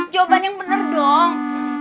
jawaban yang bener dong